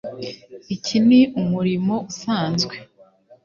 Iki ni umurimo usanzwe